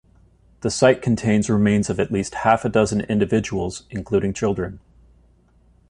The site contains remains of at least half a dozen individuals, including children.